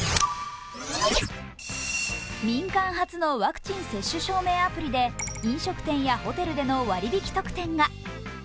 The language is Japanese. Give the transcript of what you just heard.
民間初のワクチン接種証明アプリで飲食店やホテルでの割引特典が。